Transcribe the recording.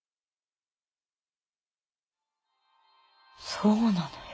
そうなのよ。